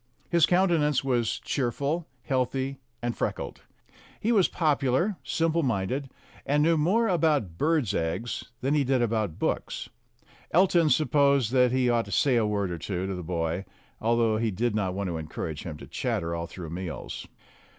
His countenance was cheerful, healthy, and freckled. He was popular, simple minded, and knew more about birds' eggs than he did about books. Elton supposed that he ought to say a word or two to the boy, although he did not want to encourage him to chatter all through meals.